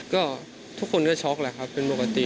ก็ทุกคนก็ช็อกแหละครับเป็นปกติ